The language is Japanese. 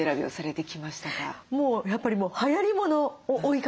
もうやっぱりはやりものを追いかける。